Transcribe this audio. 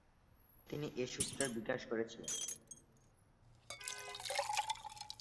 তাছাড়া তিনি এ সূত্রের বিকাশ করেছিলেন।